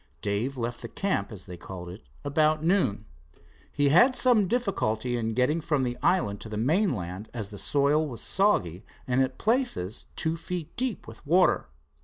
Dave left the camp, as they called it, about noon. He had some difficulty in getting from the island to the mainland, as the soil was soggy and at places two feet deep with water.